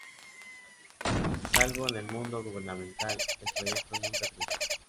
Salvo en el mundo gubernamental el proyecto nunca triunfó.